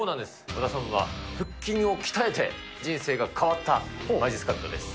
和田さんは腹筋を鍛えて人生が変わったまじっすか人です。